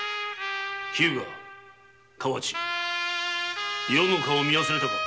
日向河内余の顔を見忘れたか！